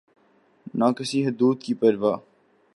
نہ کسی حدود کی پروا۔